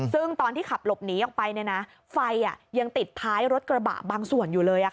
ซึ่งตอนที่ขับหลบหนีออกไปเนี่ยนะไฟอ่ะยังติดท้ายรถกระบะบางส่วนอยู่เลยอ่ะค่ะ